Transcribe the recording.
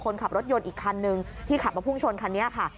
คนขับรถยนต์อีกคันนึงที่ขับมาพุ่งชนคันนี้ค่ะ